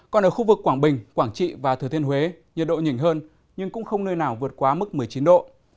còn ở khu vực quảng bình quảng trị và thừa thiên huế nhiệt độ nhìn hơn nhưng cũng không nơi nào vượt quá mức một mươi chín độ